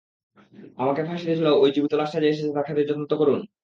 আমাকে ফাঁসিতে ঝুলাও ঔই জীবিত লাশটা যে এসেছে তার খাতির যত্ন তো করুন।